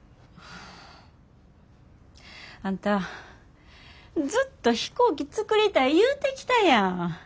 あんたずっと飛行機作りたい言うてきたやん。